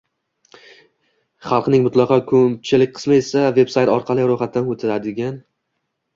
Xalqning mutlaqo koʻpchilik qismi esa veb sayt orqali roʻyxatdan oʻtigan